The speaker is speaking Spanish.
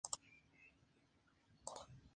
En esta entrega la jugabilidad de Clank es diferente.